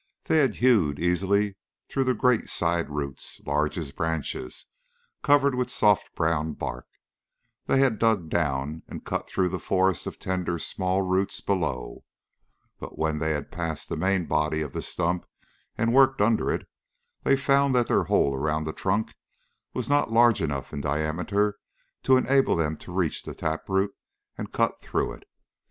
They had hewed easily through the great side roots, large as branches, covered with soft brown bark; they had dug down and cut through the forest of tender small roots below; but when they had passed the main body of the stump and worked under it, they found that their hole around the trunk was not large enough in diameter to enable them to reach to the taproot and cut through it.